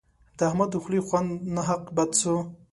د احمد د خولې خوند ناحق بد سو.